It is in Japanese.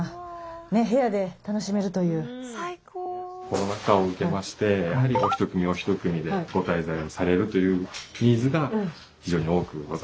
コロナ禍を受けましてやはりお一組お一組でご滞在をされるというニーズが非常に多くございますね。